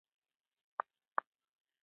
راکټ د مدرنو وسلو نښه ده